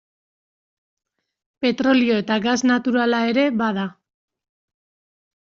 Petrolio eta gas naturala ere bada.